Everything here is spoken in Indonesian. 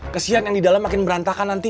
kesian yang di dalam makin berantakan nanti